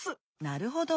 なるほど。